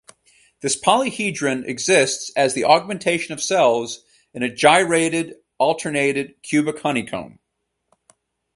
This polyhedron exists as the augmentation of cells in a gyrated alternated cubic honeycomb.